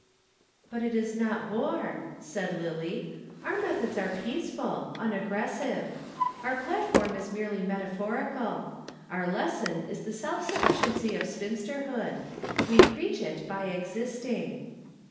"But it is not war," said Lillie. "Our methods are peaceful, unaggressive. Our platform is merely metaphorical. Our lesson is the self sufficiency of spinsterhood. We preach it by existing."